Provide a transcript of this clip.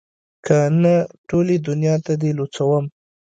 که نه ټولې دونيا ته دې لوڅوم.